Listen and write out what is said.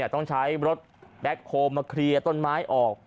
ต้องใช้รถแบ็คโฮลมาเคลียร์ต้นไม้ออก